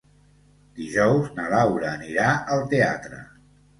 Dijous na Laura anirà al teatre.